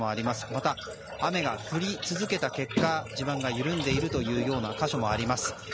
また、雨が降り続けた結果地盤が緩んでいるような箇所もあります。